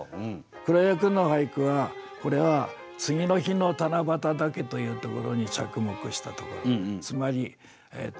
黒岩君の俳句はこれは次の日の七夕竹というところに着目したところ。